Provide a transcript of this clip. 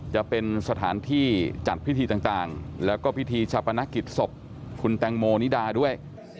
จะเป็นสถานที่จัดพิธีต่างแล้วก็พิธีชาปนกิจศพคุณแตงโมนิดาด้วย